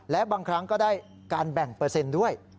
และบางครั้งก็ได้การแบ่งเปอร์เซ็นต์ด้วย